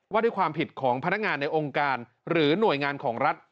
ว่าด้วยความผิดของพนักงานในองค์การหรือหน่วยงานของรัฐ